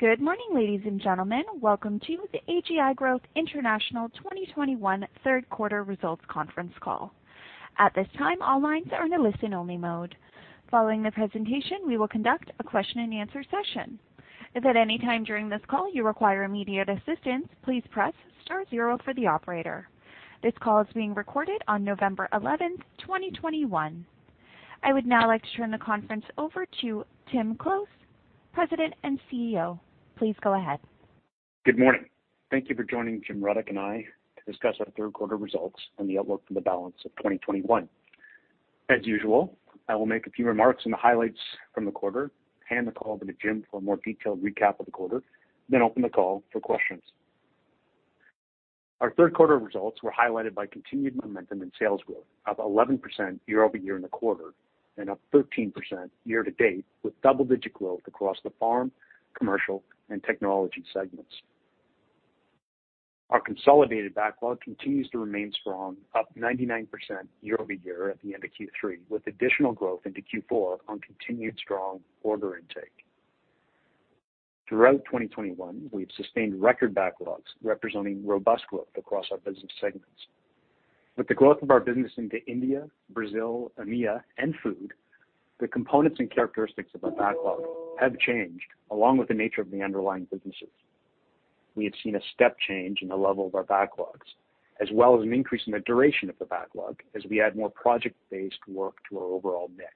Good morning, ladies and gentlemen. Welcome to the Ag Growth International 2021 Third Quarter Results Conference Call. At this time, all lines are in a listen-only mode. Following the presentation, we will conduct a question-and-answer session. If at any time during this call you require immediate assistance, please press star zero for the operator. This call is being recorded on November 11, 2021. I would now like to turn the conference over to Tim Close, President and CEO. Please go ahead. Good morning. Thank you for joining Jim Rudyk and I to discuss our third quarter results and the outlook for the balance of 2021. As usual, I will make a few remarks on the highlights from the quarter, hand the call over to Jim for a more detailed recap of the quarter, then open the call for questions. Our third quarter results were highlighted by continued momentum in sales growth, up 11% year-over-year in the quarter and up 13% year to date, with double-digit growth across the farm, commercial, and technology segments. Our consolidated backlog continues to remain strong, up 99% year-over-year at the end of Q3, with additional growth into Q4 on continued strong order intake. Throughout 2021, we've sustained record backlogs representing robust growth across our business segments. With the growth of our business into India, Brazil, EMEA, and food, the components and characteristics of our backlog have changed along with the nature of the underlying businesses. We have seen a step change in the level of our backlogs, as well as an increase in the duration of the backlog as we add more project-based work to our overall mix.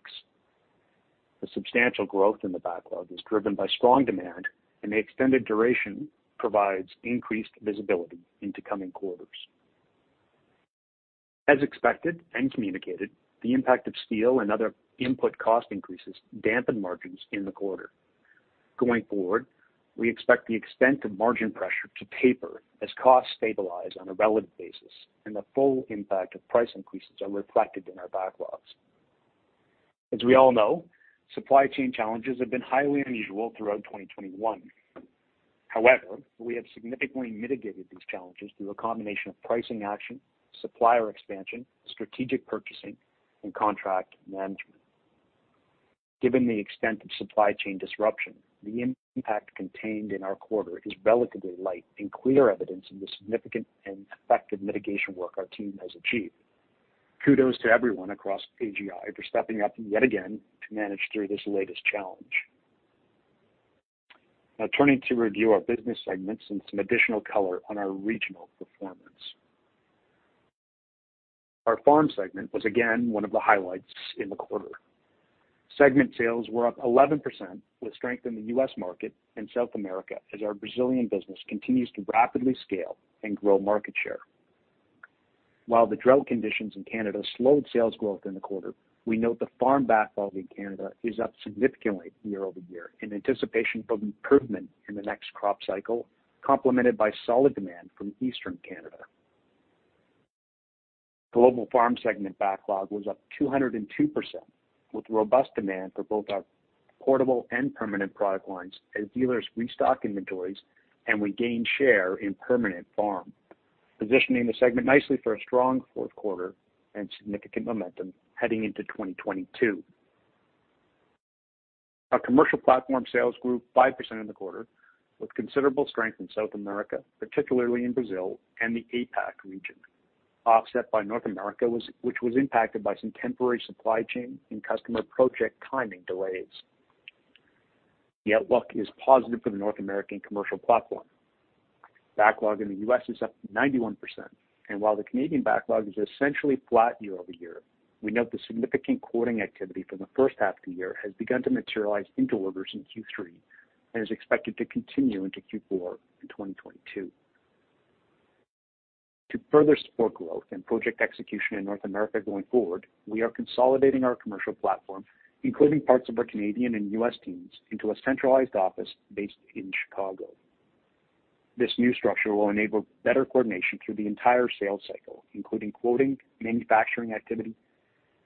The substantial growth in the backlog is driven by strong demand, and the extended duration provides increased visibility into coming quarters. As expected and communicated, the impact of steel and other input cost increases dampened margins in the quarter. Going forward, we expect the extent of margin pressure to taper as costs stabilize on a relative basis and the full impact of price increases are reflected in our backlogs. As we all know, supply chain challenges have been highly unusual throughout 2021. However, we have significantly mitigated these challenges through a combination of pricing action, supplier expansion, strategic purchasing, and contract management. Given the extent of supply chain disruption, the impact contained in our quarter is relatively light and clear evidence of the significant and effective mitigation work our team has achieved. Kudos to everyone across AGI for stepping up yet again to manage through this latest challenge. Now turning to review our business segments and some additional color on our regional performance. Our farm segment was again one of the highlights in the quarter. Segment sales were up 11% with strength in the U.S. market and South America as our Brazilian business continues to rapidly scale and grow market share. While the drought conditions in Canada slowed sales growth in the quarter, we note the farm backlog in Canada is up significantly year-over-year in anticipation of improvement in the next crop cycle, complemented by solid demand from Eastern Canada. Global farm segment backlog was up 202%, with robust demand for both our portable and permanent product lines as dealers restock inventories, and we gain share in permanent farm, positioning the segment nicely for a strong fourth quarter and significant momentum heading into 2022. Our commercial platform sales grew 5% in the quarter, with considerable strength in South America, particularly in Brazil and the APAC region, offset by North America, which was impacted by some temporary supply chain and customer project timing delays. The outlook is positive for the North American commercial platform. Backlog in the U.S. is up 91%, and while the Canadian backlog is essentially flat year-over-year, we note the significant quoting activity for the H1 of the year has begun to materialize into orders in Q3 and is expected to continue into Q4 in 2022. To further support growth and project execution in North America going forward, we are consolidating our commercial platform, including parts of our Canadian and U.S. teams, into a centralized office based in Chicago. This new structure will enable better coordination through the entire sales cycle, including quoting, manufacturing activity,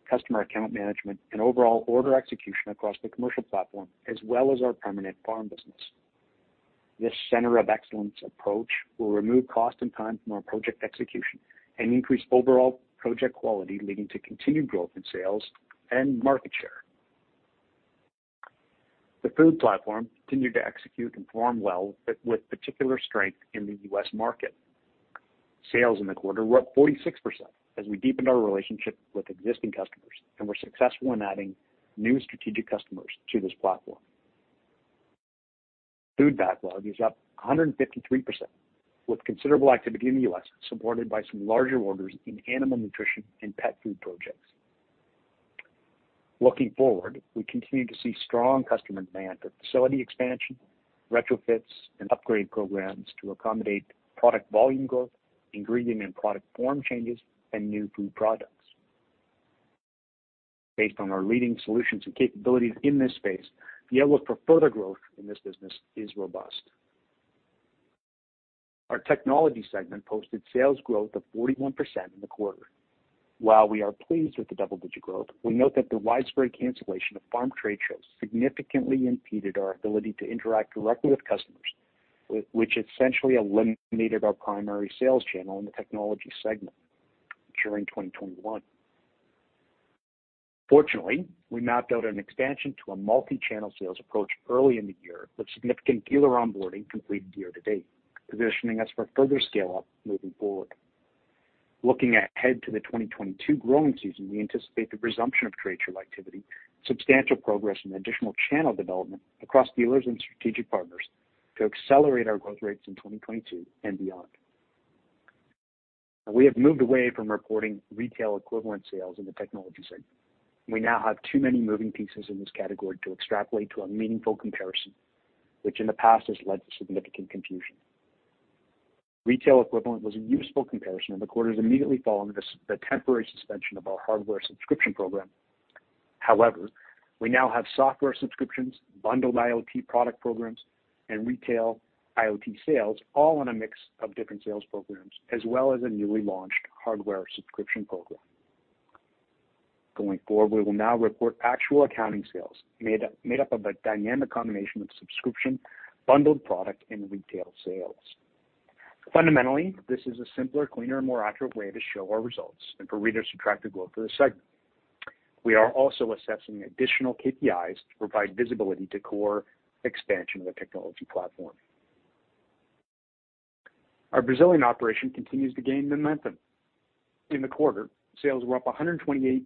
customer account management, and overall order execution across the commercial platform, as well as our permanent farm business. This center of excellence approach will remove cost and time from our project execution and increase overall project quality, leading to continued growth in sales and market share. The Food platform continued to execute and perform well with particular strength in the U.S. market. Sales in the quarter were up 46% as we deepened our relationship with existing customers and were successful in adding new strategic customers to this platform. Food backlog is up 153%, with considerable activity in the U.S., supported by some larger orders in animal nutrition and pet food projects. Looking forward, we continue to see strong customer demand for facility expansion, retrofits, and upgrade programs to accommodate product volume growth, ingredient and product form changes, and new food products. Based on our leading solutions and capabilities in this space, the outlook for further growth in this business is robust. Our Technology segment posted sales growth of 41% in the quarter. While we are pleased with the double-digit growth, we note that the widespread cancellation of farm trade shows significantly impeded our ability to interact directly with customers, which essentially eliminated our primary sales channel in the technology segment during 2021. Fortunately, we mapped out an expansion to a multi-channel sales approach early in the year, with significant dealer onboarding completed year to date, positioning us for further scale up moving forward. Looking ahead to the 2022 growing season, we anticipate the resumption of trade show activity, substantial progress in additional channel development across dealers and strategic partners to accelerate our growth rates in 2022 and beyond. We have moved away from reporting retail equivalent sales in the technology segment. We now have too many moving pieces in this category to extrapolate to a meaningful comparison, which in the past has led to significant confusion. Retail equivalent was a useful comparison in the quarters immediately following this, the temporary suspension of our hardware subscription program. However, we now have software subscriptions, bundled IoT product programs, and retail IoT sales, all on a mix of different sales programs, as well as a newly launched hardware subscription program. Going forward, we will now report actual accounting sales made up of a dynamic combination of subscription, bundled product, and retail sales. Fundamentally, this is a simpler, cleaner, more accurate way to show our results and for readers to track the growth of the segment. We are also assessing additional KPIs to provide visibility to core expansion of the technology platform. Our Brazilian operation continues to gain momentum. In the quarter, sales were up 128%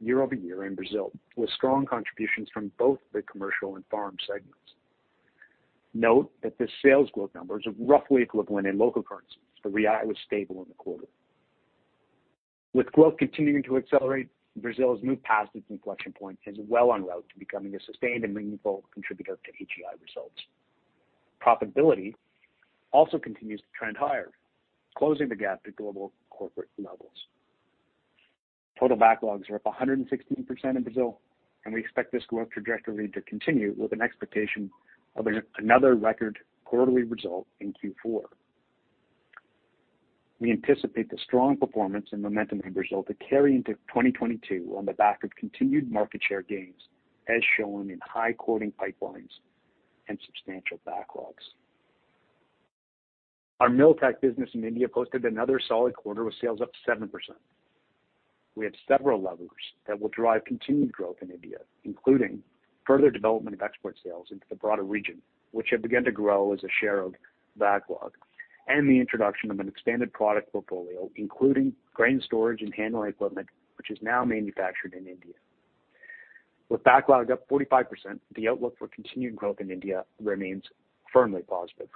year-over-year in Brazil, with strong contributions from both the commercial and farm segments. Note that the sales growth number is roughly equivalent in local currency. The Real was stable in the quarter. With growth continuing to accelerate, Brazil has moved past its inflection point and is well en route to becoming a sustained and meaningful contributor to AGI results. Profitability also continues to trend higher, closing the gap to global corporate levels. Total backlogs are up 116% in Brazil, and we expect this growth trajectory to continue with an expectation of another record quarterly result in Q4. We anticipate the strong performance and momentum in Brazil to carry into 2022 on the back of continued market share gains, as shown in high quoting pipelines and substantial backlogs. Our Milltec business in India posted another solid quarter with sales up 7%. We have several levers that will drive continued growth in India, including further development of export sales into the broader region, which have begun to grow as a share of backlog. The introduction of an expanded product portfolio, including grain storage and handling equipment, which is now manufactured in India. With backlogs up 45%, the outlook for continued growth in India remains firmly positive.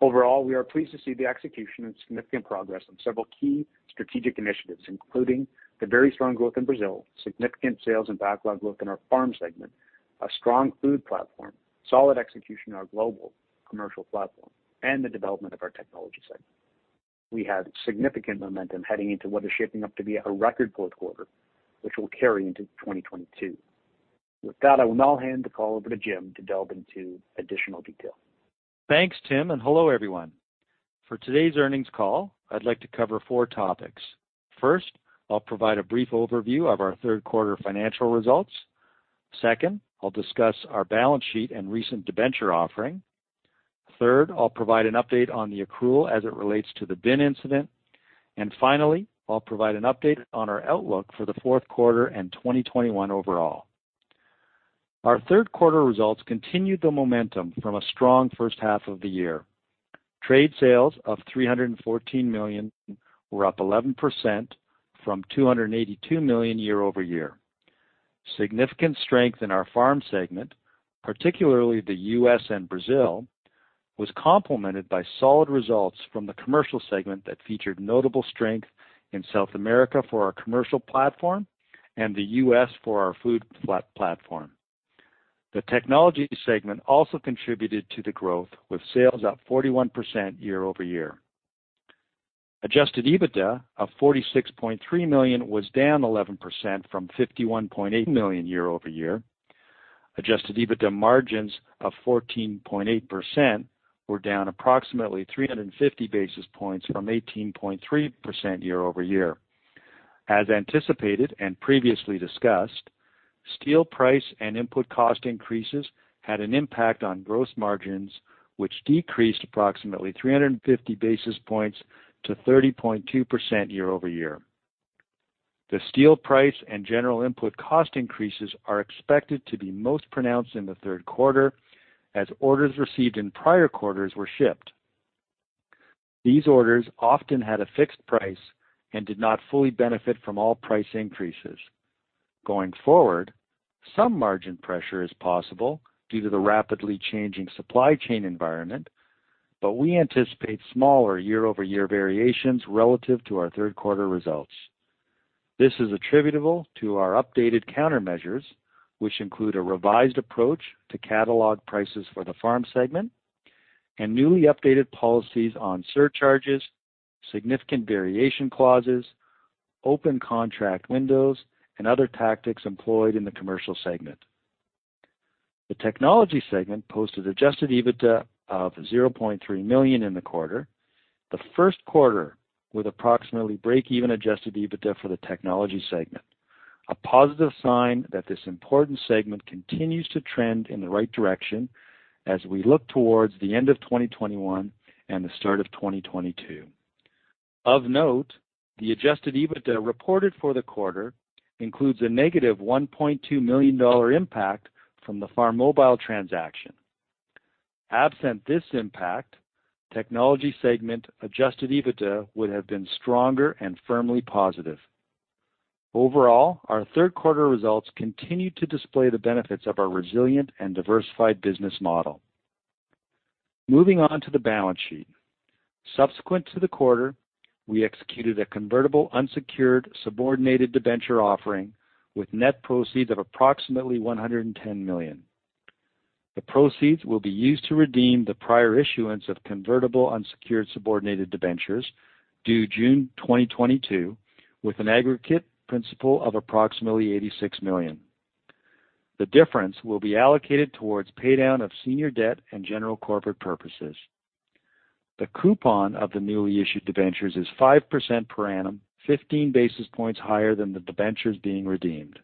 Overall, we are pleased to see the execution and significant progress on several key strategic initiatives, including the very strong growth in Brazil, significant sales and backlog growth in our farm segment, a strong Food platform, solid execution in our global commercial platform, and the development of our technology segment. We have significant momentum heading into what is shaping up to be a record fourth quarter, which will carry into 2022. With that, I will now hand the call over to Jim to delve into additional detail. Thanks Tim and hello, everyone. For today's earnings call, I'd like to cover four topics. First, I'll provide a brief overview of our third quarter financial results. Second, I'll discuss our balance sheet and recent debenture offering. Third, I'll provide an update on the accrual as it relates to the Bin Incident. Finally, I'll provide an update on our outlook for the fourth quarter and 2021 overall. Our third quarter results continued the momentum from a strong H1 of the year. Trade sales of 314 million were up 11% from 282 million year-over-year. Significant strength in our farm segment, particularly the U.S. and Brazil, was complemented by solid results from the commercial segment that featured notable strength in South America for our commercial platform and the U.S. for our food platform. The technology segment also contributed to the growth, with sales up 41% year-over-year. Adjusted EBITDA of 46.3 million was down 11% from 51.8 million year-over-year. Adjusted EBITDA margins of 14.8% were down approximately 350 basis points from 18.3% year-over-year. As anticipated and previously discussed, steel price and input cost increases had an impact on gross margins, which decreased approximately 350 basis points to 30.2% year-over-year. The steel price and general input cost increases are expected to be most pronounced in the third quarter, as orders received in prior quarters were shipped. These orders often had a fixed price and did not fully benefit from all price increases. Going forward, some margin pressure is possible due to the rapidly changing supply chain environment, but we anticipate smaller year-over-year variations relative to our third quarter results. This is attributable to our updated countermeasures, which include a revised approach to catalog prices for the farm segment and newly updated policies on surcharges, significant variation clauses, open contract windows, and other tactics employed in the commercial segment. The technology segment posted Adjusted EBITDA of 0.3 million in the quarter, the first quarter with approximately break-even Adjusted EBITDA for the technology segment. A positive sign that this important segment continues to trend in the right direction as we look towards the end of 2021 and the start of 2022. Of note, the Adjusted EBITDA reported for the quarter includes a negative $1.2 million impact from the Farmobile transaction. Absent this impact, Technology segment Adjusted EBITDA would have been stronger and firmly positive. Overall, our third quarter results continued to display the benefits of our resilient and diversified business model. Moving on to the balance sheet. Subsequent to the quarter, we executed a convertible unsecured subordinated debenture offering with net proceeds of approximately 110 million. The proceeds will be used to redeem the prior issuance of convertible unsecured subordinated debentures due June 2022, with an aggregate principal of approximately 86 million. The difference will be allocated towards paydown of senior debt and general corporate purposes. The coupon of the newly issued debentures is 5% per annum, 15 basis points higher than the debentures being redeemed.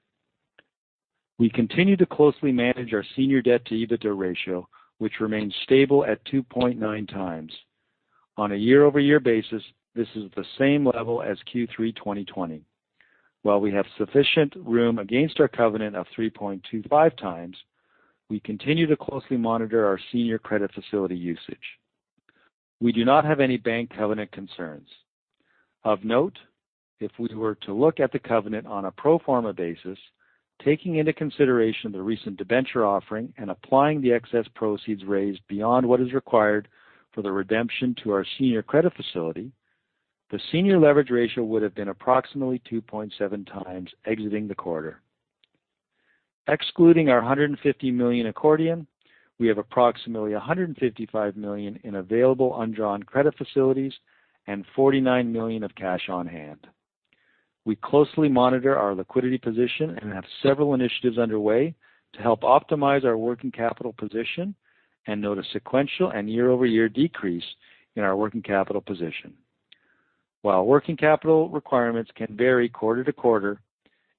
We continue to closely manage our senior debt to EBITDA ratio, which remains stable at 2.9x. On a year-over-year basis, this is the same level as Q3 2020. While we have sufficient room against our covenant of 3.25x, we continue to closely monitor our senior credit facility usage. We do not have any bank covenant concerns. Of note, if we were to look at the covenant on a pro forma basis, taking into consideration the recent debenture offering and applying the excess proceeds raised beyond what is required for the redemption to our senior credit facility, the senior leverage ratio would have been approximately 2.7x exiting the quarter. Excluding our 150 million accordion, we have approximately 155 million in available undrawn credit facilities and 49 million of cash on hand. We closely monitor our liquidity position and have several initiatives underway to help optimize our working capital position and note a sequential and year-over-year decrease in our working capital position. While working capital requirements can vary quarter to quarter,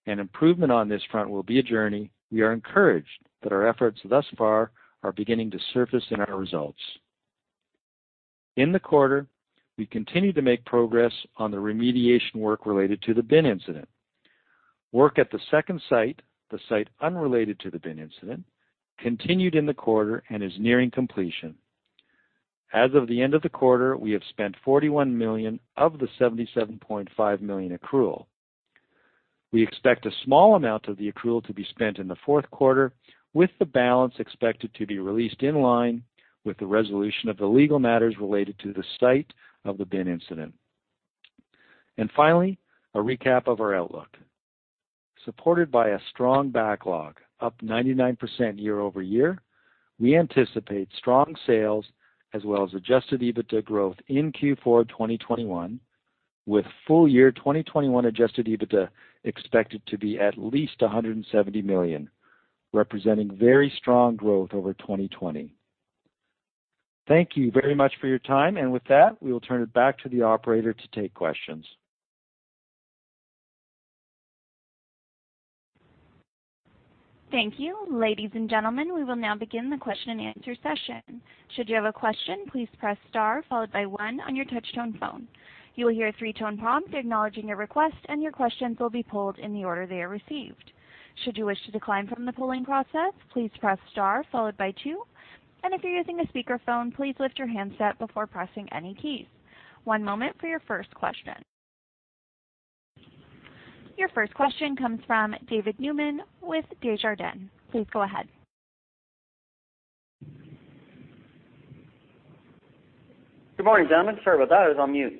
an improvement on this front will be a journey. We are encouraged that our efforts thus far are beginning to surface in our results. In the quarter, we continued to make progress on the remediation work related to the Bin Incident. Work at the second site, the site unrelated to the Bin Incident, continued in the quarter and is nearing completion. As of the end of the quarter, we have spent 41 million of the 77.5 million accrual. We expect a small amount of the accrual to be spent in the fourth quarter, with the balance expected to be released in line with the resolution of the legal matters related to the site of the bin incident. Finally, a recap of our outlook. Supported by a strong backlog, up 99% year-over-year, we anticipate strong sales as well as Adjusted EBITDA growth in Q4 2021, with full year 2021 Adjusted EBITDA expected to be at least 170 million, representing very strong growth over 2020. Thank you very much for your time. With that, we will turn it back to the operator to take questions. Thank you. Ladies and gentlemen, we will now begin the question-and-answer session. Should you have a question, please press star followed by one on your touchtone phone. You will hear a three-tone prompt acknowledging your request, and your questions will be pulled in the order they are received. Should you wish to decline from the polling process, please press star followed by two. If you're using a speakerphone, please lift your handset before pressing any keys. One moment for your first question. Your first question comes from David Newman with Desjardins. Please go ahead. Good morning, gentlemen. Sorry about that. I was on mute.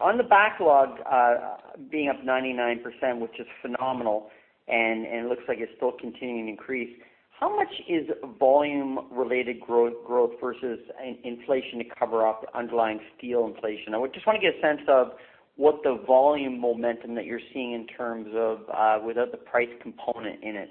On the backlog being up 99%, which is phenomenal and looks like it's still continuing to increase, how much is volume related growth versus inflation to cover up the underlying steel inflation? I would just want to get a sense of what the volume momentum that you're seeing in terms of without the price component in it.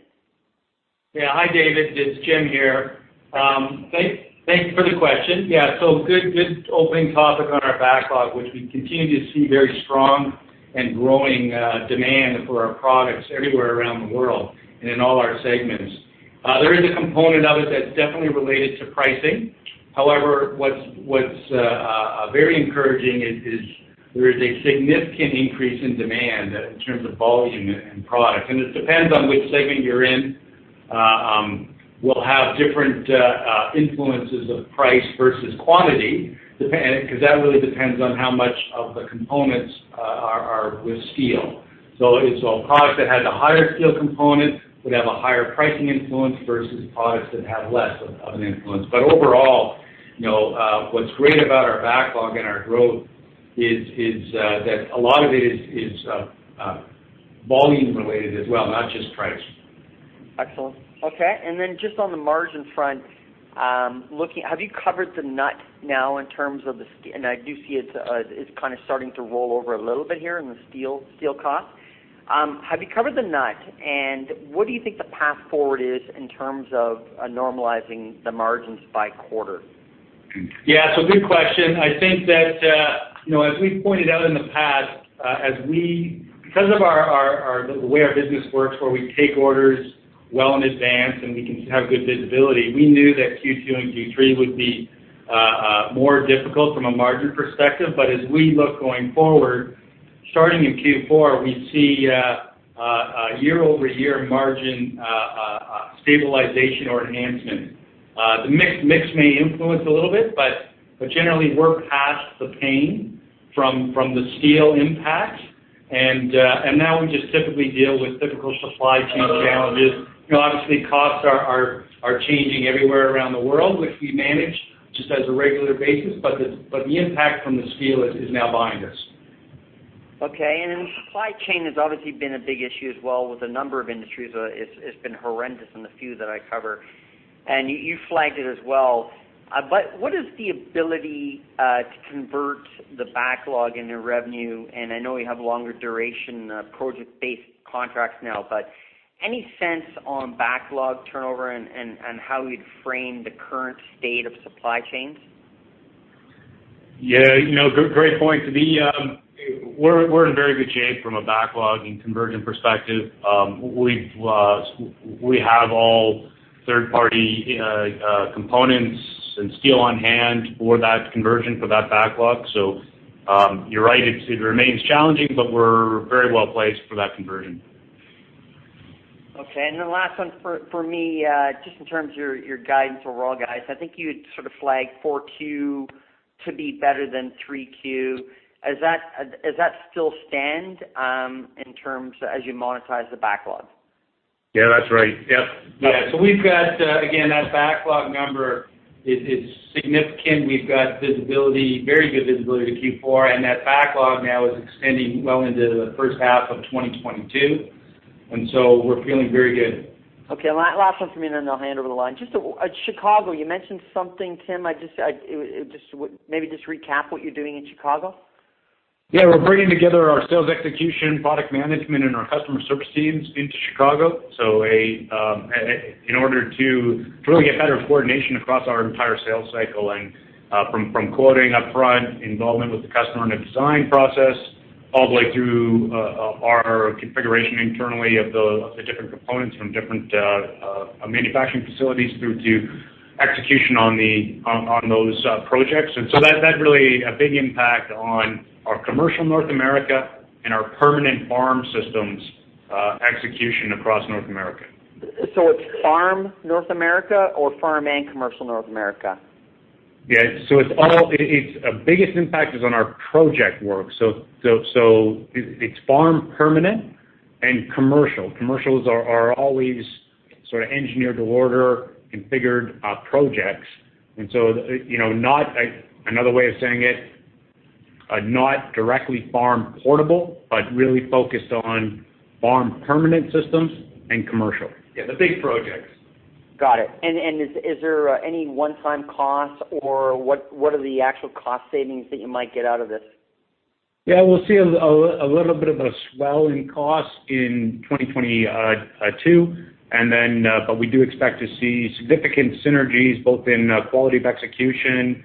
Yeah. Hi, David. It's Jim here. Thank you for the question. Yeah, so good opening topic on our backlog, which we continue to see very strong and growing demand for our products everywhere around the world and in all our segments. There is a component of it that's definitely related to pricing. However, what's very encouraging is there is a significant increase in demand in terms of volume and product. It depends on which segment you're in will have different influences of price versus quantity, 'cause that really depends on how much of the components are with steel. If a product that has a higher steel component would have a higher pricing influence versus products that have less of an influence. Overall, you know, what's great about our backlog and our growth is that a lot of it is volume related as well, not just price. Excellent. Okay. Just on the margin front, have you covered the nut now in terms of the steel and I do see it's kind of starting to roll over a little bit here in the steel cost. What do you think the path forward is in terms of normalizing the margins by quarter? Good question. I think that, you know, as we pointed out in the past, because of the way our business works, where we take orders well in advance, and we can have good visibility, we knew that Q2 and Q3 would be more difficult from a margin perspective. As we look going forward, starting in Q4, we see a year-over-year margin stabilization or enhancement. The mix may influence a little bit, but generally, we're past the pain from the steel impact. Now we just typically deal with typical supply chain challenges. You know, obviously, costs are changing everywhere around the world, which we manage on a regular basis. The impact from the steel is now behind us. Okay. Then supply chain has obviously been a big issue as well with a number of industries. It's been horrendous in the few that I cover. You flagged it as well. What is the ability to convert the backlog into revenue? I know you have longer duration project-based contracts now, any sense on backlog turnover and how you'd frame the current state of supply chains? Yeah. You know, great point. We're in very good shape from a backlog and conversion perspective. We have all third-party components and steel on hand for that conversion for that backlog. So, you're right, it remains challenging, but we're very well placed for that conversion. Okay. Last one for me, just in terms of your guidance for FY 2024. I think you had sort of flagged Q4 to be better than Q3. Does that still stand in terms of as you monetize the backlog? Yeah, that's right. Yep. Yeah. We've got, again, that backlog number is significant. We've got visibility, very good visibility to Q4, and that backlog now is extending well into the H1 of 2022. We're feeling very good. Okay. Last one for me, and then I'll hand over the line. Just at Chicago, you mentioned something, Tim. I just, it just maybe just recap what you're doing in Chicago. Yeah. We're bringing together our sales execution, product management, and our customer service teams into Chicago in order to really get better coordination across our entire sales cycle and from quoting upfront, involvement with the customer in the design process, all the way through our configuration internally of the different components from different manufacturing facilities through to execution on those projects. That had really a big impact on our commercial North America and our permanent farm systems execution across North America. It's farm North America or farm and commercial North America? Yeah. Biggest impact is on our project work. It's farm permanent and commercial. Commercials are always sort of engineer-to-order configured projects. You know, another way of saying it, not directly farm portable, but really focused on farm permanent systems and commercial. Yeah, the big projects. Got it. Is there any one-time costs or what are the actual cost savings that you might get out of this? Yeah, we'll see a little bit of a swell in costs in 2022. But we do expect to see significant synergies both in quality of execution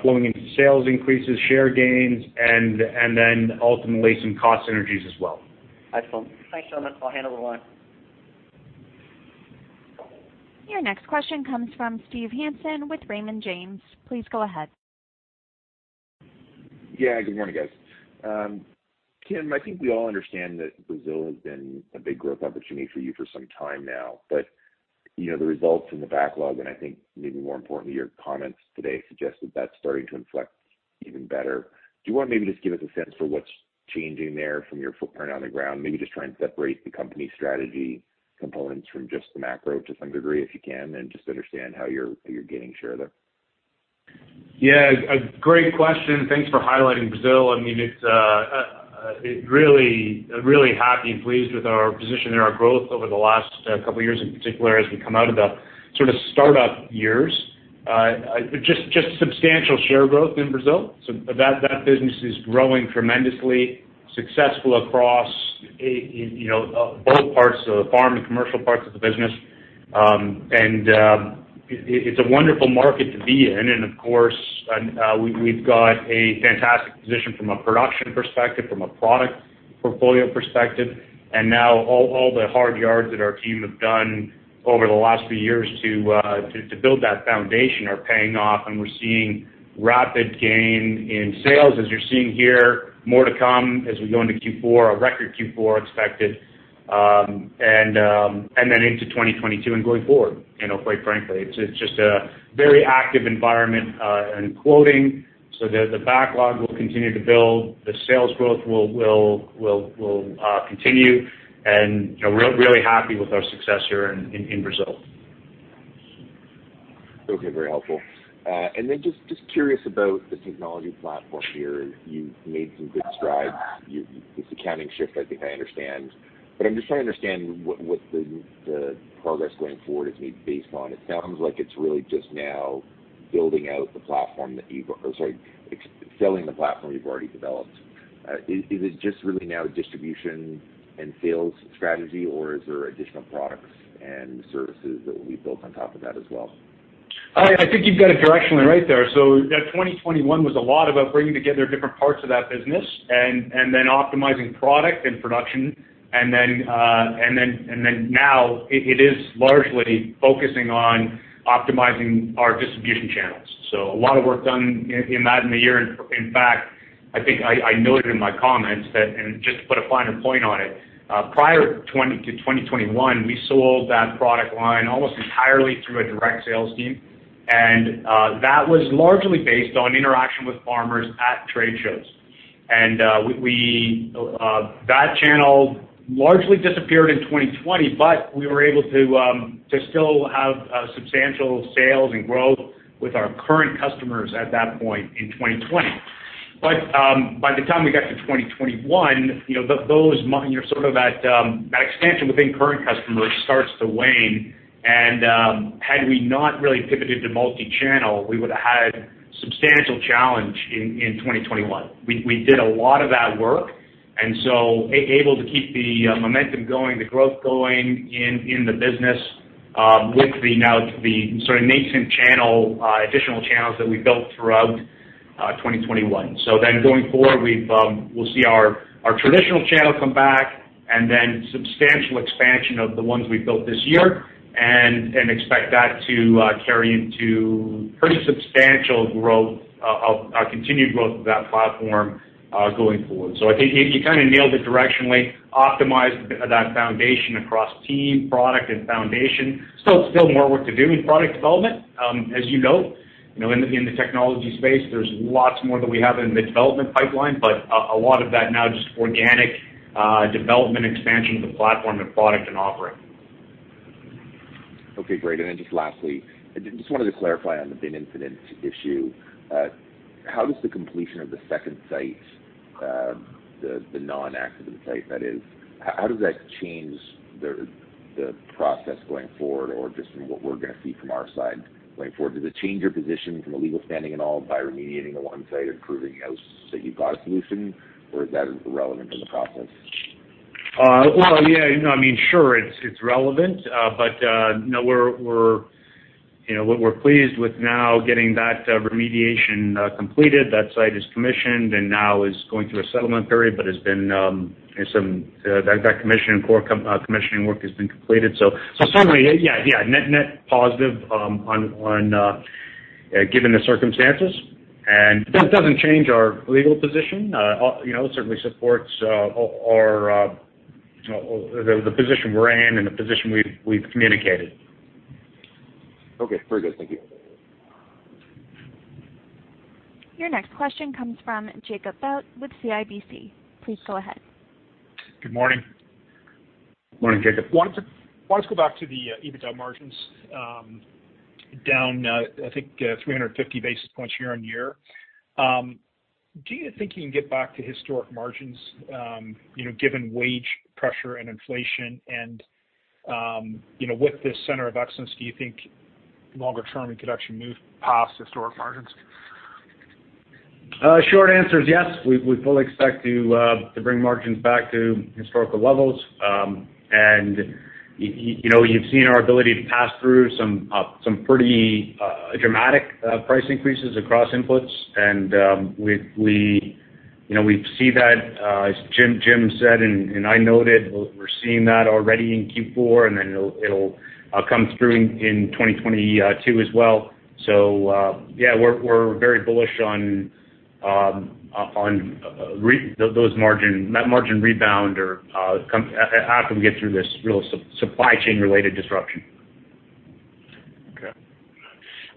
flowing into sales increases, share gains, and then ultimately some cost synergies as well. Excellent. Thanks so much. I'll hand over the line. Your next question comes from Steve Hansen with Raymond James. Please go ahead. Yeah. Good morning guys. Tim, I think we all understand that Brazil has been a big growth opportunity for you for some time now. You know, the results in the backlog, and I think maybe more importantly, your comments today suggested that's starting to inflect even better. Do you want maybe just give us a sense for what's changing there from your footprint on the ground? Maybe just trying to separate the company strategy components from just the macro to some degree, if you can, and just understand how you're gaining share there. Yeah. A great question. Thanks for highlighting Brazil. I mean, it's really happy and pleased with our position and our growth over the last couple of years, in particular, as we come out of the sort of startup years. Just substantial share growth in Brazil. That business is growing tremendously successful across, you know, both parts of the farm and commercial parts of the business. It's a wonderful market to be in. Of course, we've got a fantastic position from a production perspective, from a product portfolio perspective. Now all the hard yards that our team have done over the last few years to build that foundation are paying off, and we're seeing rapid gain in sales, as you're seeing here, more to come as we go into Q4, a record Q4 expected, and then into 2022 and going forward, you know, quite frankly. It's just a very active environment in quoting so that the backlog will continue to build, the sales growth will continue, and we're really happy with our success here in Brazil. Okay. Very helpful. Just curious about the technology platform here. You've made some good strides. This accounting shift, I think I understand. I'm just trying to understand what the progress going forward is made based on. It sounds like it's really just now selling the platform you've already developed. Is it just really now distribution and sales strategy, or is there additional products and services that will be built on top of that as well? I think you've got it directionally right there. 2021 was a lot about bringing together different parts of that business and then optimizing product and production. Now it is largely focusing on optimizing our distribution channels. A lot of work done in that in a year. In fact, I think I noted in my comments that, and just to put a finer point on it, prior to 2021, we sold that product line almost entirely through a direct sales team. That was largely based on interaction with farmers at trade shows. That channel largely disappeared in 2020, but we were able to still have substantial sales and growth with our current customers at that point in 2020. By the time we got to 2021, you know, those months, you know, sort of that expansion within current customers starts to wane, and had we not really pivoted to multi-channel, we would've had substantial challenge in 2021. We did a lot of that work, and so able to keep the momentum going, the growth going in the business, with the now the sort of nascent channel, additional channels that we built throughout 2021. Going forward, we will see our traditional channel come back and then substantial expansion of the ones we've built this year and expect that to carry into pretty substantial growth of continued growth of that platform going forward. I think you kinda nailed it directionally, optimized that foundation across team, product and foundation. Still more work to do in product development. As you know, you know, in the technology space, there's lots more that we have in the development pipeline, but a lot of that now just organic development expansion of the platform, the product, and offering. Okay, great. Just lastly, I just wanted to clarify on the Bin Incident issue. How does the completion of the second site, the non-accident site that is, change the process going forward or just from what we're gonna see from our side going forward? Does it change your position from a legal standing at all by remediating the one site and proving, you know, so you've got a solution, or is that irrelevant in the process? Well, yeah, you know, I mean, sure, it's relevant, but no, we're pleased with now getting that remediation completed. That site is commissioned and now is going through a settlement period, but that commissioning work has been completed. So certainly, yeah, net positive given the circumstances. That doesn't change our legal position. You know, it certainly supports our you know the position we're in and the position we've communicated. Okay, very good. Thank you. Your next question comes from Jacob Bout with CIBC. Please go ahead. Good morning. Morning, Jacob. Want to go back to the EBITDA margins, down, I think, 350 basis points year-over-year. Do you think you can get back to historic margins, you know, given wage pressure and inflation and, you know, with this center of excellence, do you think longer term you could actually move past historic margins? Short answer is yes. We fully expect to bring margins back to historical levels. You know, you've seen our ability to pass through some pretty dramatic price increases across inputs. We see that, as Jim said, and I noted, we're seeing that already in Q4, and then it'll come through in 2022 as well. Yeah, we're very bullish on those margin rebound or after we get through this real supply chain related disruption. Okay.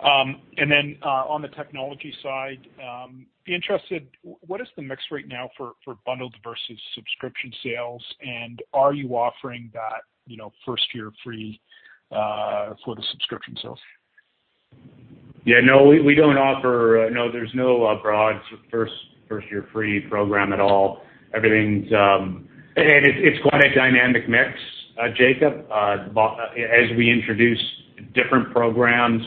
On the technology side, I'd be interested, what is the mix right now for bundles versus subscription sales? Are you offering that, you know, first year free for the subscription sales? No, there's no broad first year free program at all. Everything's quite a dynamic mix, Jacob. As we introduce different programs,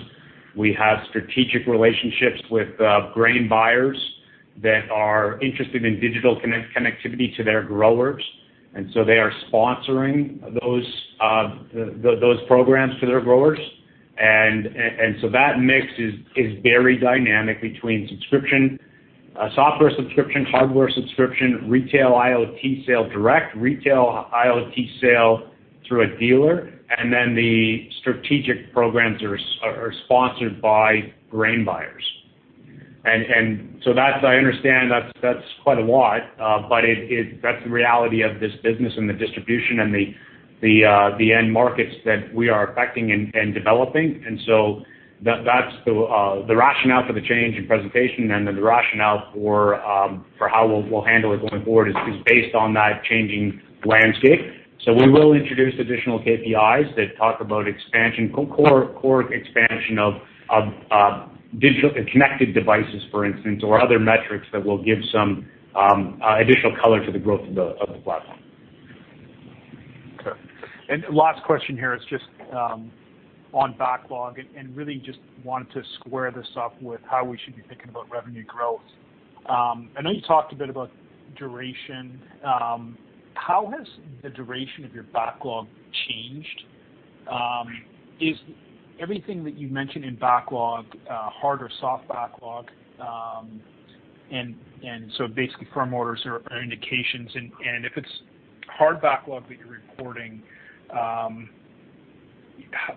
we have strategic relationships with grain buyers that are interested in digital connectivity to their growers. They are sponsoring those programs to their growers. That mix is very dynamic between subscription software subscription, hardware subscription, retail IoT sale direct, retail IoT sale through a dealer, and then the strategic programs are sponsored by grain buyers. That's, I understand, quite a lot, but that's the reality of this business and the distribution and the end markets that we are affecting and developing. That's the rationale for the change in presentation and then the rationale for how we'll handle it going forward is based on that changing landscape. We will introduce additional KPIs that talk about expansion, core expansion of digital connected devices, for instance, or other metrics that will give some additional color to the growth of the platform. Last question here is just on backlog and really just wanted to square this up with how we should be thinking about revenue growth. I know you talked a bit about duration. How has the duration of your backlog changed? Is everything that you mentioned in backlog hard or soft backlog? So basically firm orders or indications, and if it's hard backlog that you're reporting,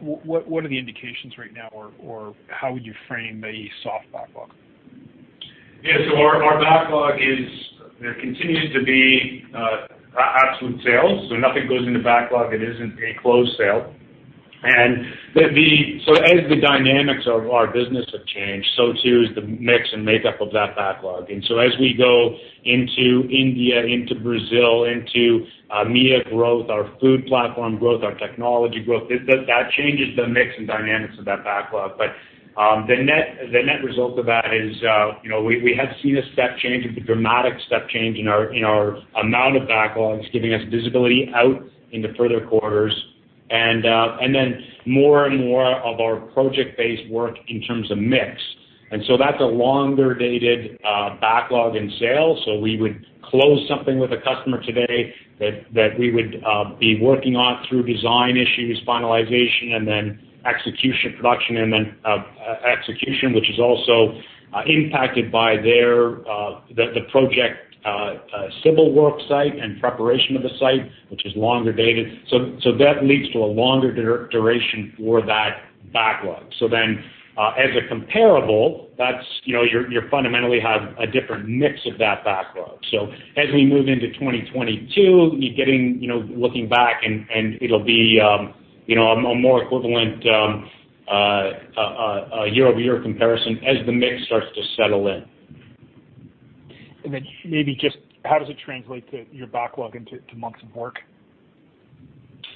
what are the indications right now or how would you frame a soft backlog? Yeah. Our backlog, there continues to be absolute sales, so nothing goes into backlog. It isn't a closed sale. As the dynamics of our business have changed, so too is the mix and makeup of that backlog. As we go into India, into Brazil, into EMEA growth, our food platform growth, our technology growth, that changes the mix and dynamics of that backlog. The net result of that is, you know, we have seen a step change, a dramatic step change in our amount of backlogs, giving us visibility out into further quarters and then more and more of our project-based work in terms of mix. That's a longer dated backlog in sales. We would close something with a customer today that we would be working on through design issues, finalization, and then execution production, and then execution, which is also impacted by the project's civil work site and preparation of the site, which is longer dated. That leads to a longer duration for that backlog. As a comparable, that's you know you fundamentally have a different mix of that backlog. As we move into 2022, you're getting you know looking back and it'll be you know a more equivalent year-over-year comparison as the mix starts to settle in. Maybe just how does it translate to your backlog to months of work?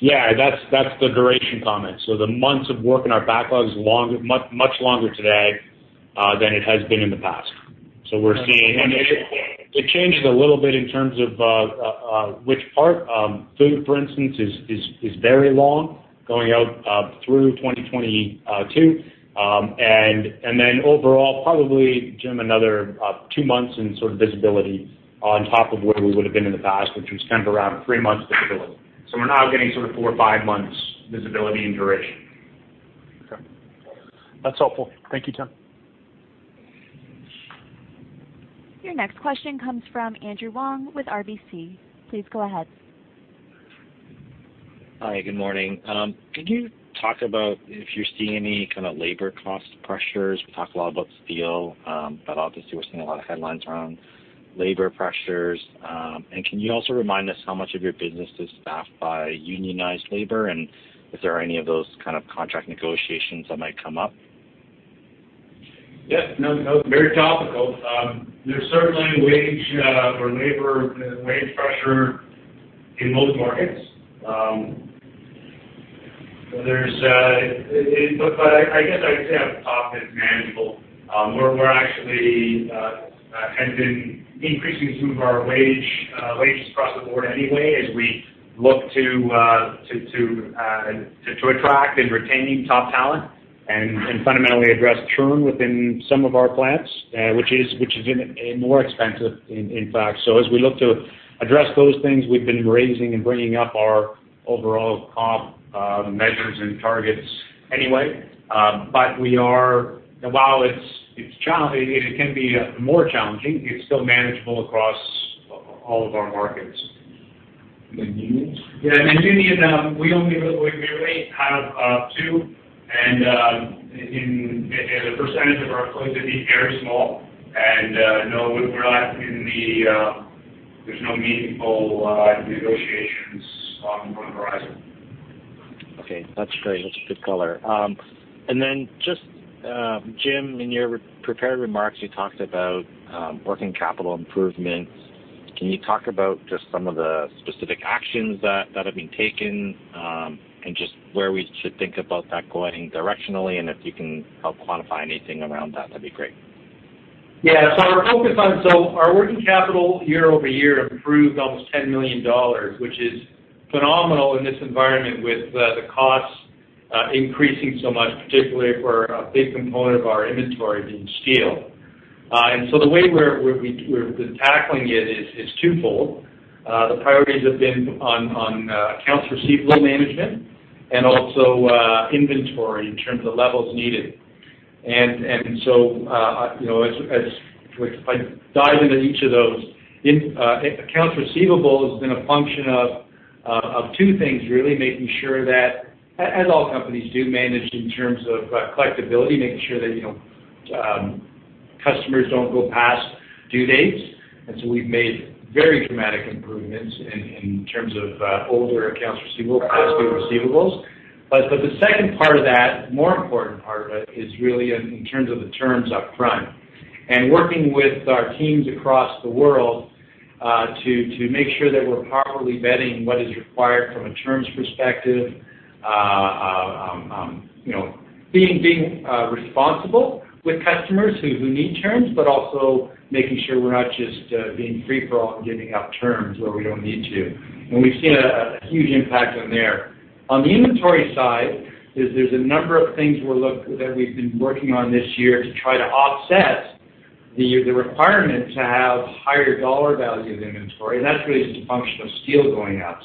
Yeah, that's the duration comment. The months of work in our backlog is longer, much longer today than it has been in the past. It changes a little bit in terms of which part. Food for instance is very long going out through 2022. Then overall, probably, Jim, another two months in sort of visibility on top of where we would've been in the past, which was kind of around three months visibility. We're now getting sort of four or five months visibility and duration. Okay. That's helpful. Thank you, Tim. Your next question comes from Andrew Wong with RBC. Please go ahead. Hi. Good morning. Could you talk about if you're seeing any kind of labor cost pressures? We talked a lot about steel, but obviously we're seeing a lot of headlines around labor pressures. Can you also remind us how much of your business is staffed by unionized labor, and is there any of those kind of contract negotiations that might come up? No, no, very topical. There's certainly wage or labor wage pressure in most markets. It looks like, I guess I'd say at the top, it's manageable. We're actually had been increasing some of our wages across the board anyway as we look to attract and retaining top talent and fundamentally address churn within some of our plants, which is even more expensive in fact. As we look to address those things, we've been raising and bringing up our overall comp measures and targets anyway. While it's challenging and it can be more challenging, it's still manageable across all of our markets. Unions? Yeah. Union, we only really have two, and as a percentage of our employees would be very small. No, we're not in the. There's no meaningful negotiations on the horizon. Okay. That's great. That's a good color. And then just, Jim, in your re-prepared remarks, you talked about working capital improvements. Can you talk about just some of the specific actions that have been taken, and just where we should think about that going directionally, and if you can help quantify anything around that'd be great. Our working capital year-over-year improved almost 10 million dollars, which is phenomenal in this environment with the costs increasing so much, particularly for a big component of our inventory being steel. The way we're tackling it is twofold. The priorities have been on accounts receivable management and also inventory in terms of levels needed. You know, if I dive into each of those, accounts receivable has been a function of two things, really making sure that as all companies do manage in terms of collectibility, making sure that you know, customers don't go past due dates. We've made very dramatic improvements in terms of older accounts receivable, past due receivables. The second part of that, more important part of it is really in terms of the terms up front. Working with our teams across the world, to make sure that we're properly vetting what is required from a terms perspective. You know, being responsible with customers who need terms, but also making sure we're not just being a free-for-all and giving out terms where we don't need to. We've seen a huge impact on there. On the inventory side, there's a number of things that we've been working on this year to try to offset the requirement to have higher dollar value of inventory, and that's really just a function of steel going up.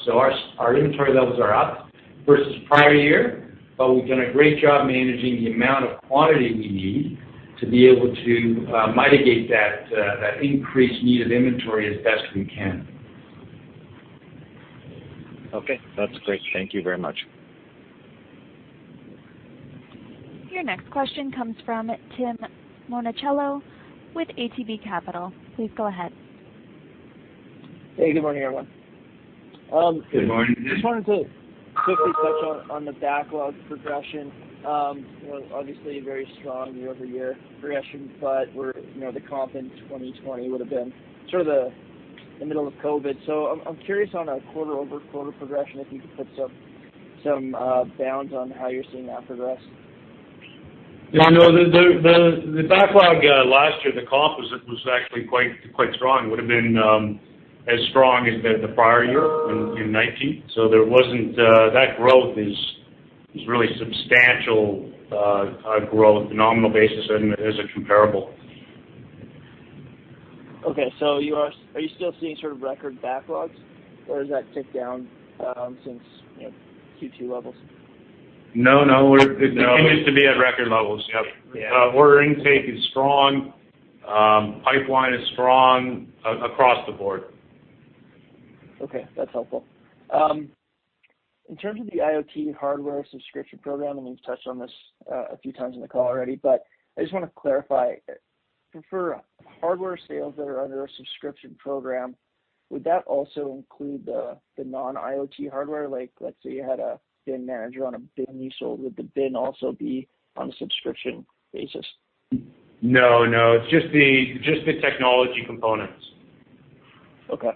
Our inventory levels are up versus prior year, but we've done a great job managing the amount of quantity we need to be able to mitigate that increased need of inventory as best we can. Okay, that's great. Thank you very much. Your next question comes from Tim Monachello with ATB Capital. Please go ahead. Hey, good morning, everyone. Good morning, Tim. Just wanted to quickly touch on the backlog progression. You know, obviously very strong year-over-year progression, but we're, you know, the comp in 2020 would've been sort of the middle of COVID. So I'm curious on a quarter-over-quarter progression, if you could put some bounds on how you're seeing that progress. Yeah, no, the backlog last year, the comp was actually quite strong, would've been as strong as the prior year in 2019. That growth is really substantial, growth on a nominal basis and as a comparable. Okay. Are you still seeing sort of record backlogs or has that ticked down since, you know, Q2 levels? No. It continues to be at record levels. Yep. Yeah. Our order intake is strong. Pipeline is strong across the board. Okay, that's helpful. In terms of the IoT hardware subscription program, and you've touched on this a few times in the call already, but I just wanna clarify. For hardware sales that are under a subscription program, would that also include the non-IoT hardware? Like let's say you had a BinManager on a bin you sold, would the bin also be on a subscription basis? No, no, it's just the technology components. Okay.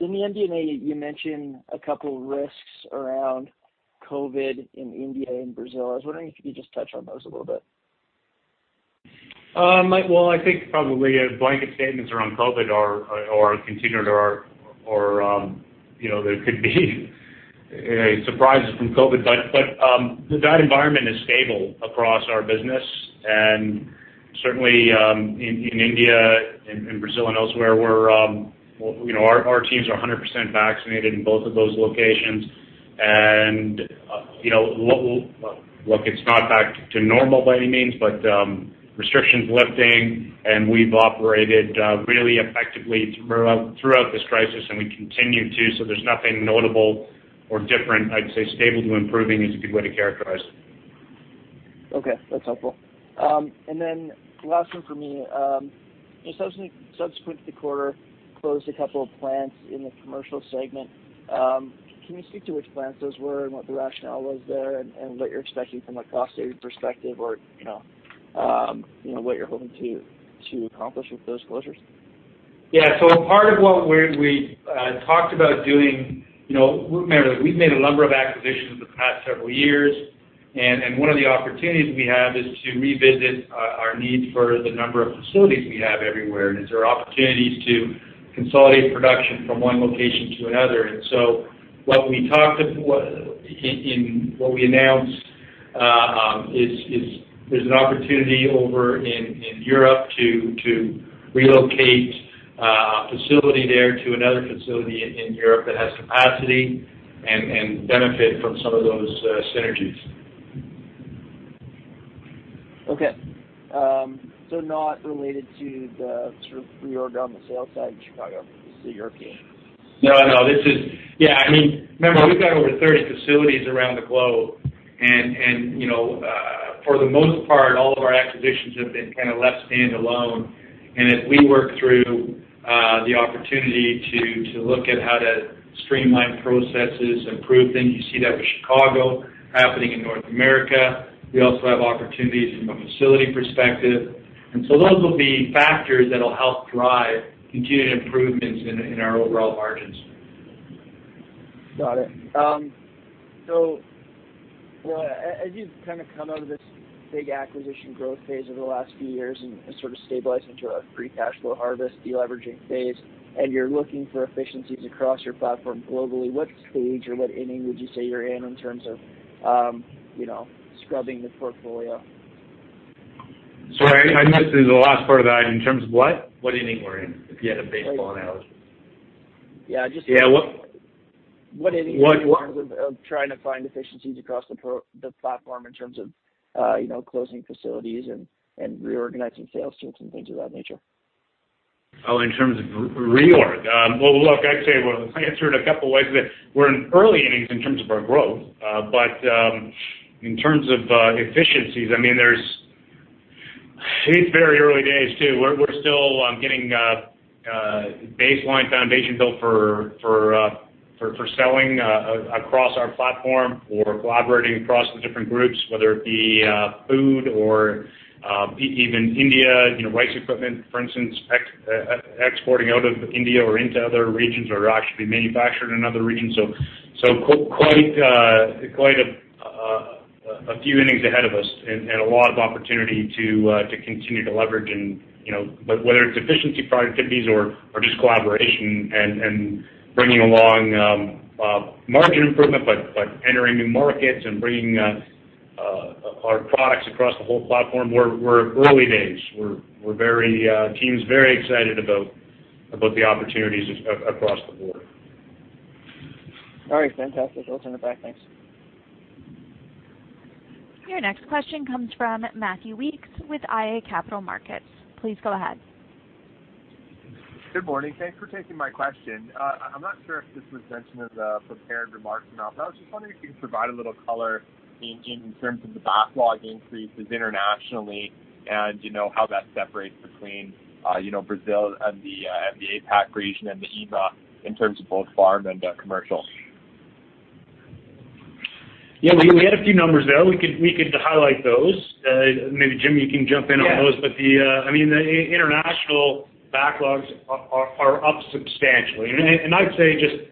In the MD&A you mentioned a couple risks around COVID in India and Brazil. I was wondering if you could just touch on those a little bit. Well, I think probably blanket statements around COVID are continuing to, or you know, there could be surprises from COVID, but that environment is stable across our business and certainly in India and Brazil and elsewhere, you know, our teams are 100% vaccinated in both of those locations and you know, Look, it's not back to normal by any means, but restrictions lifting and we've operated really effectively throughout this crisis and we continue to, so there's nothing notable or different. I'd say stable to improving is a good way to characterize it. Okay, that's helpful. Last one for me. Just subsequent to the quarter, closed a couple of plants in the commercial segment. Can you speak to which plants those were and what the rationale was there and what you're expecting from a cost-saving perspective or, you know, what you're hoping to accomplish with those closures? Yeah. Part of what we talked about doing, you know, remember that we've made a number of acquisitions the past several years and one of the opportunities we have is to revisit our needs for the number of facilities we have everywhere, and is there opportunities to consolidate production from one location to another. What we announced is there's an opportunity over in Europe to relocate a facility there to another facility in Europe that has capacity and benefit from some of those synergies. Okay. Not related to the sort of reorg on the sales side in Chicago. This is European. Yeah, I mean, remember we've got over 30 facilities around the globe and, you know, for the most part, all of our acquisitions have been kinda left standalone. As we work through the opportunity to look at how to streamline processes, improve things, you see that with Chicago happening in North America. We also have opportunities from a facility perspective, and so those will be factors that'll help drive continued improvements in our overall margins. Got it. So what, as you kind of come out of this big acquisition growth phase over the last few years and sort of stabilize into a free cash flow harvest, de-leveraging phase, and you're looking for efficiencies across your platform globally, what stage or what inning would you say you're in in terms of, you know, scrubbing the portfolio? Sorry, I missed the last part of that. In terms of what? What inning we're in if you had a baseball analogy? Yeah, just Yeah, what. What inning are you in terms of trying to find efficiencies across the platform in terms of, you know, closing facilities and reorganizing sales teams and things of that nature? Oh, in terms of reorg. Well, look, I'd say, well, I answered a couple ways that we're in early innings in terms of our growth. In terms of efficiencies, I mean, there's. It's very early days too. We're still getting baseline foundation built for selling across our platform or collaborating across the different groups, whether it be food or even India, you know, rice equipment, for instance, exporting out of India or into other regions or actually manufactured in other regions. Quite a few innings ahead of us and a lot of opportunity to continue to leverage, you know, but whether it's efficiency, productivities or just collaboration and bringing along margin improvement by entering new markets and bringing our products across the whole platform, we're in early days. The team is very excited about the opportunities across the board. All right. Fantastic. I'll turn it back. Thanks. Your next question comes from Matthew Weekes with iA Capital Markets. Please go ahead. Good morning. Thanks for taking my question. I'm not sure if this was mentioned in the prepared remarks or not, but I was just wondering if you could provide a little color in terms of the backlog increases internationally and, you know, how that separates between, you know, Brazil and the APAC region and the EMEA in terms of both farm and commercial. Yeah. We had a few numbers there. We could highlight those. Maybe Jim, you can jump in on those. Yeah. I mean, the international backlogs are up substantially. I'd say just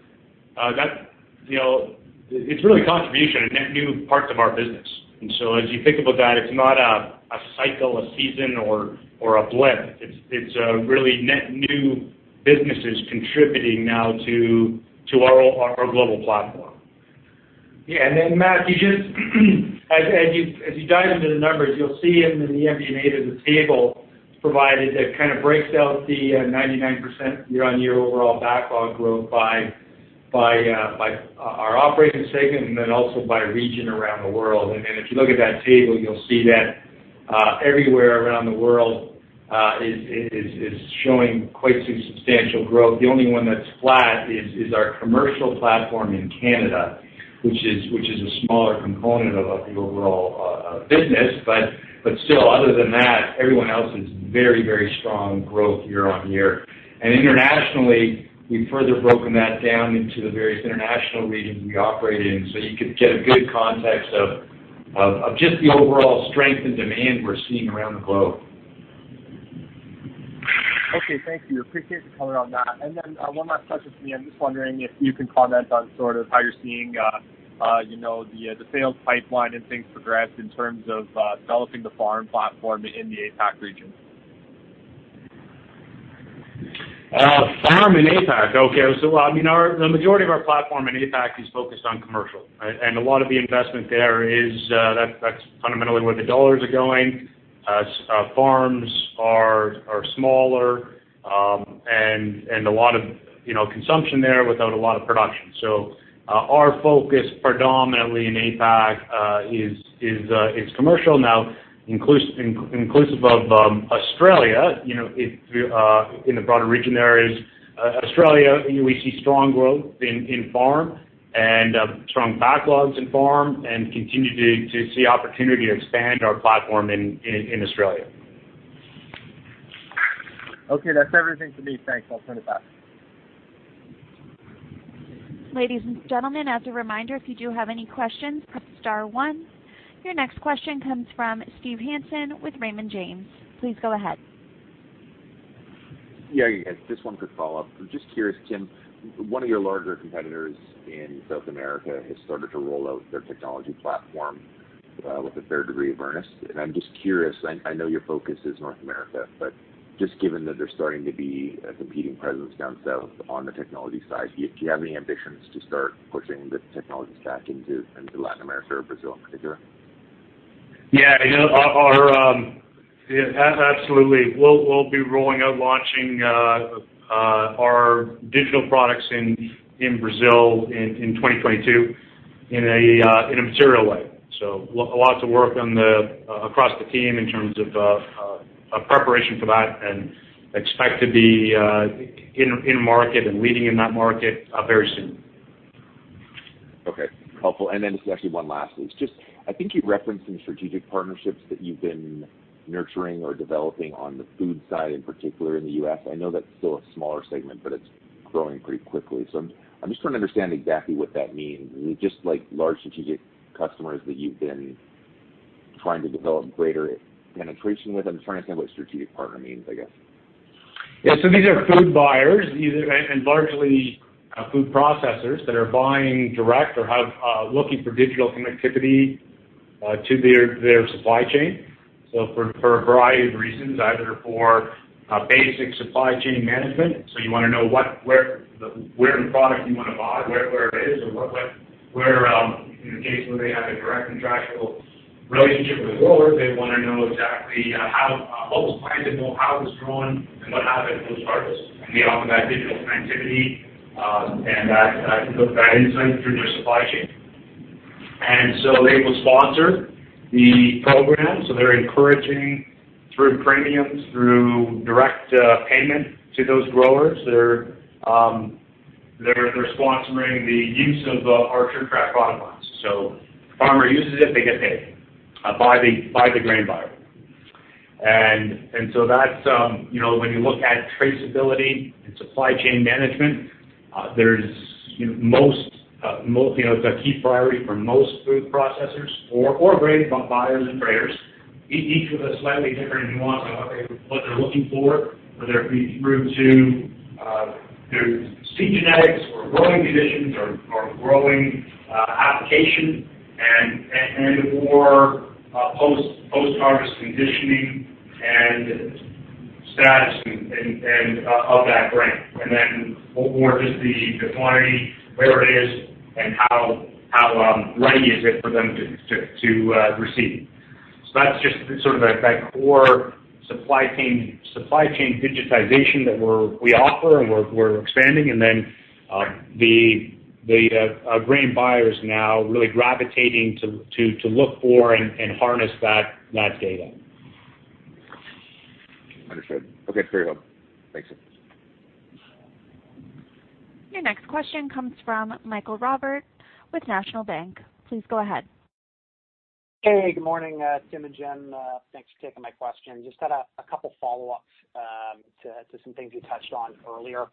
that you know, it's really contribution and net new parts of our business. As you think about that, it's not a cycle, a season, or a blip. It's really net new businesses contributing now to our global platform. Yeah. Then Matt, as you dive into the numbers, you'll see in the MD&A, there's a table provided that kind of breaks out the 99% year-on-year overall backlog growth by our operating segment and then also by region around the world. Then if you look at that table, you'll see that everywhere around the world is showing quite some substantial growth. The only one that's flat is our commercial platform in Canada, which is a smaller component of the overall business. Still, other than that, everyone else is very strong growth year-over-year. Internationally, we've further broken that down into the various international regions we operate in, so you could get a good context of just the overall strength and demand we're seeing around the globe. Okay. Thank you. Appreciate the color on that. One last question for me. I'm just wondering if you can comment on sort of how you're seeing, you know, the sales pipeline and things progress in terms of developing the farm platform in the APAC region. Farm in APAC. I mean, the majority of our platform in APAC is focused on commercial, right? A lot of the investment there is, that's fundamentally where the dollars are going. Farms are smaller, and a lot of, you know, consumption there without a lot of production. Our focus predominantly in APAC is commercial now, inclusive of Australia, you know, it in the broader region, there is Australia, you know, we see strong growth in farm and strong backlogs in farm and continue to see opportunity to expand our platform in Australia. Okay. That's everything for me. Thanks. I'll turn it back. Ladies and gentlemen, as a reminder, if you do have any questions, press star one. Your next question comes from Steve Hansen with Raymond James. Please go ahead. Yeah. You guys, just one quick follow-up. I'm just curious, Jim, one of your larger competitors in South America has started to roll out their technology platform with a fair degree of earnestness. I'm just curious, I know your focus is North America, but just given that there's starting to be a competing presence down south on the technology side, do you have any ambitions to start pushing the technologies back into Latin America or Brazil and Mexico? Yeah. You know, absolutely. We'll be launching our digital products in Brazil in 2022 in a material way. A lot to work on across the team in terms of preparation for that, and we expect to be in market and leading in that market very soon. Okay. Helpful. Just actually one lastly. It's just, I think you referenced some strategic partnerships that you've been nurturing or developing on the food side, in particular in the U.S. I know that's still a smaller segment, but it's growing pretty quickly. I'm just trying to understand exactly what that means. Is it just like large strategic customers that you've been trying to develop greater penetration with? I'm trying to understand what strategic partner means, I guess. Yeah. These are food buyers, and largely food processors that are buying direct or are looking for digital connectivity to their supply chain. For a variety of reasons, either for basic supply chain management. You wanna know where the product you wanna buy is or what in a case where they have a direct contractual relationship with the grower, they wanna know exactly how what was planted, know how it was grown, and what happened post-harvest. We offer that digital connectivity and that insight through their supply chain. They will sponsor the program. They're encouraging through premiums, through direct payment to those growers. They're sponsoring the use of our SureTrack product lines. If the farmer uses it, they get paid by the grain buyer. That's you know when you look at traceability and supply chain management, there's you know most you know it's a key priority for most food processors or grain buyers and traders. Each has a slightly different nuance on what they're looking for, whether it be through to seed genetics or growing conditions or growing application and or post-harvest conditioning and status and of that grain. Then or just the quantity, where it is, and how ready is it for them to receive. That's just sort of that core supply chain digitization that we offer and we're expanding. The grain buyers now really gravitating to look for and harness that data. Understood. Okay. Very well. Thanks. Your next question comes from Maxim Sytchev with National Bank. Please go ahead. Hey, good morning, Tim and Jim. Thanks for taking my question. I just had a couple follow-ups to some things you touched on earlier.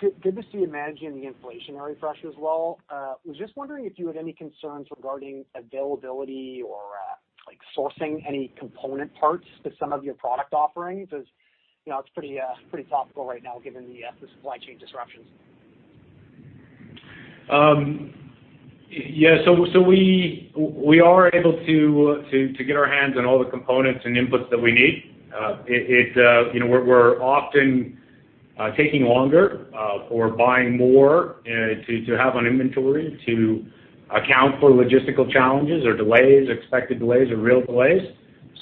Good to see you managing the inflationary pressures well. I was just wondering if you had any concerns regarding availability or like sourcing any component parts to some of your product offerings. You know, it's pretty topical right now given the supply chain disruptions. We are able to get our hands on all the components and inputs that we need. You know, we're often taking longer or buying more to have on inventory to account for logistical challenges or delays, expected delays or real delays.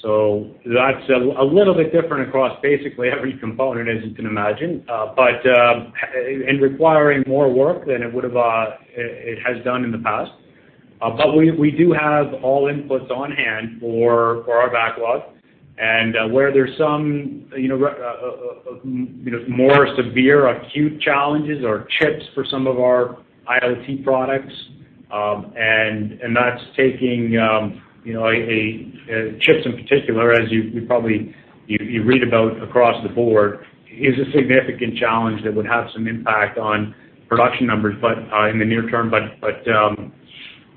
That's a little bit different across basically every component, as you can imagine, and requiring more work than it has done in the past. We do have all inputs on hand for our backlog. Where there's some you know more severe acute challenges or chips for some of our IoT products, and that's taking you know a. Chips in particular, as you probably read about across the board, is a significant challenge that would have some impact on production numbers, but in the near term.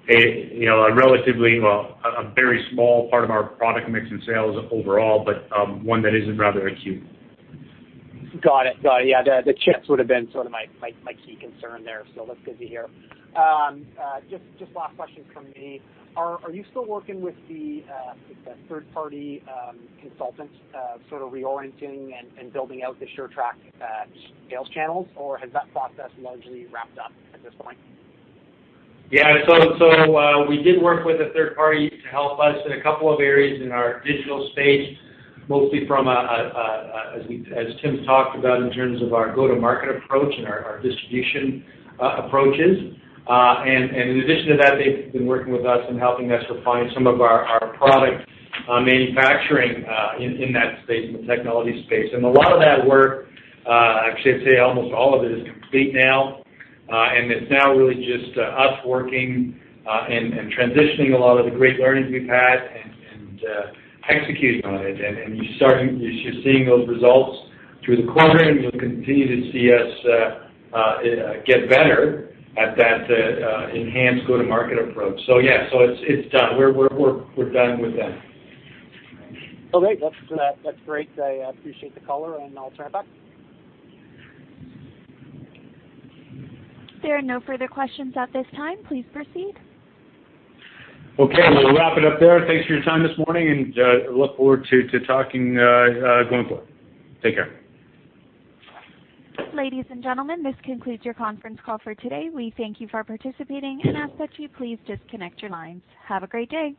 It, you know, a relatively, well, a very small part of our product mix and sales overall, but one that is rather acute. Got it. Yeah, the chips would have been sort of my key concern there. So that's good to hear. Just last question from me. Are you still working with the third-party consultants sort of reorienting and building out the SureTrack sales channels, or has that process largely wrapped up at this point? We did work with a third party to help us in a couple of areas in our digital space, mostly as Tim's talked about in terms of our go-to-market approach and our distribution approaches. In addition to that, they've been working with us and helping us refine some of our product manufacturing in that space, in the technology space. A lot of that work, actually I'd say almost all of it, is complete now. It's now really just us working and transitioning a lot of the great learnings we've had and executing on it. You're just seeing those results through the quarter, and you'll continue to see us get better at that enhanced go-to-market approach. Yeah, so it's done. We're done with them. Oh, great. That's great. I appreciate the color, and I'll turn it back. There are no further questions at this time. Please proceed. Okay. We'll wrap it up there. Thanks for your time this morning and look forward to talking going forward. Take care. Ladies and gentlemen, this concludes your conference call for today. We thank you for participating and ask that you please disconnect your lines. Have a great day.